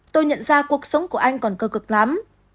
tôi nhận ra cuộc sống của anh còn cơ cực lắm